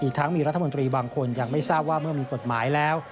ทั้งมีรัฐมนตรีบางคนยังไม่ทราบว่าเมื่อมีกฎหมายแล้ว